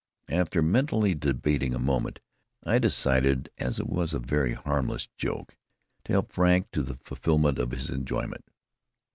After mentally debating a moment, I decided, as it was a very harmless joke, to help Frank into the fulfillment of his enjoyment.